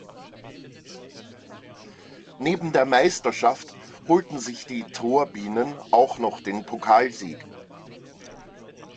Neben der Meisterschaft holten sich die „Tor-Bienen“ auch noch den Pokalsieg.